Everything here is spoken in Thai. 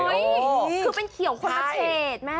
คือเป็นเขียวข้อมัตรเชษ